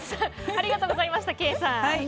ありがとうございましたケイさん。